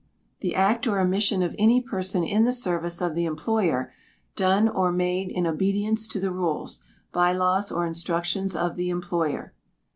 The act or omission of any person in the service of the employer done or made in obedience to the rules, bye laws, or instructions of the employer.